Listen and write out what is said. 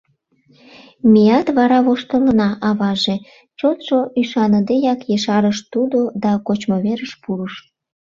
Меат вара воштылына, аваже, - чотшо ӱшаныдеак, ешарыш тудо да кочмыверыш пурыш.